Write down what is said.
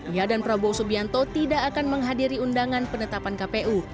ia dan prabowo subianto tidak akan menghadiri undangan penetapan kpu